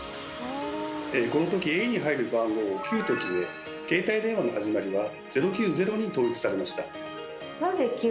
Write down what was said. この時「ａ」に入る番号を「９」と決め携帯電話の始まりは「０９０」に統一されました。